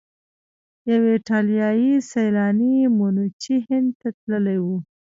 یو ایټالیایی سیلانی منوچي هند ته تللی و.